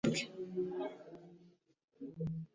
hari sheki zibwe